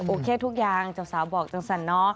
โอเคทุกอย่างเจ้าสาวบอกจังสัน